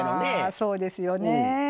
あそうですよねえ。